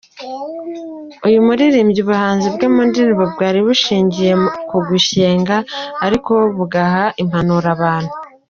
Uyu muririmbyi ubuhanzi bwe mu ndirimbo bwari bushingiye ku gushyenga ariko bugaha impanuro abantu.